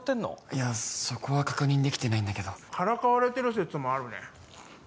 いやそこは確認できてないんだけどからかわれてる説もあるね